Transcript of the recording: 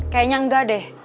kayaknya enggak deh